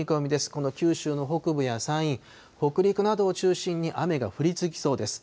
この九州の北部や山陰、北陸などを中心に雨が降り続きそうです。